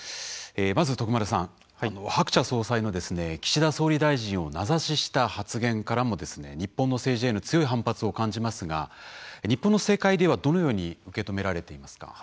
まず徳丸さん、ハクチャ総裁が岸田総理大臣を名指しした発言からも日本の政治への強い反発を感じますが日本の政界ではどのように受け止められていますか？